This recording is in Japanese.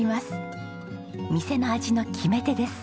店の味の決め手です。